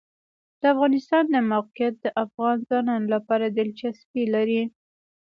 د افغانستان د موقعیت د افغان ځوانانو لپاره دلچسپي لري.